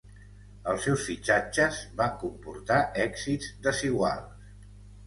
Els seus fitxatges van comportar èxits desiguals.